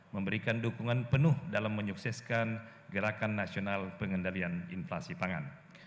memberikan dukungan penuh dalam menyukseskan gerakan nasional pengendalian inflasi pangan